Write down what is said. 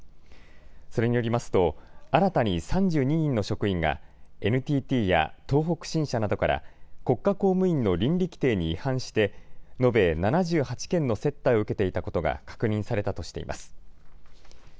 それによりますと新たに３２人の職員がＮＴＴや東北新社などから国家公務員の倫理規程に違反して延べ７８件の接待を受けていたことが確認されたとしています。